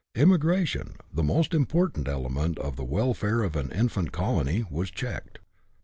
Immi gration, the most important element of the welfare of an infant colony, was checked.